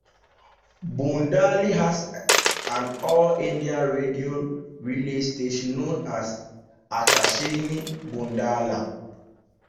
Bomdila has an All India Radio Relay station known as Akashvani Bomdila.